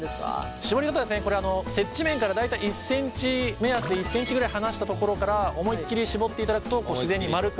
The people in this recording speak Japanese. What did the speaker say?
絞り方はこれ接地面から大体１ｃｍ目安で１ｃｍぐらい離したところから思いっきり絞っていただくと自然に丸く。